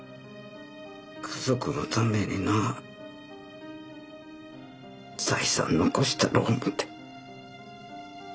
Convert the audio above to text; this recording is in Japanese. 家族のためにな財産残したろう思て。